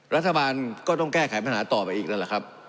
รัฐบาลก็ต้องแก้ไขปัญหาต่อไปอีกนั่นแหละครับ